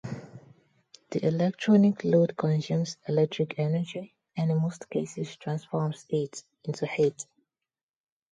The electronic load consumes electric energy and in most cases transforms it into heat.